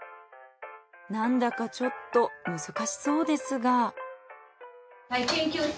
なんだかちょっと難しそうですが。